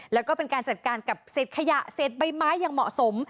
แล้วก็เป็นการจัดการกับเศษขยะเศษใบไม้อย่างเหมาะสม